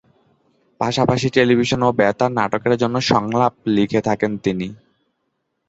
পাশাপাশি টেলিভিশন ও বেতারের নাটকের জন্য সংলাপ লিখে থাকেন তিনি।